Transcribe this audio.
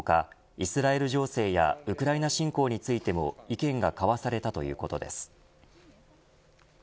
イスラエル情勢やウクライナ侵攻についても意見が交わされたということです。